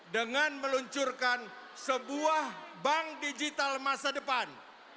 dengan meluncurkan sebuah bank digital masa depan